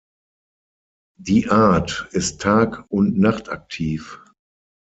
Die Art ist tag- und nachtaktiv.